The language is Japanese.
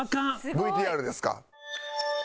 ＶＴＲですか。